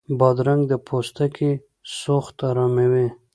بادرنګ د پوستکي سوخت اراموي.